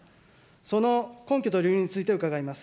その根拠と理由について伺います。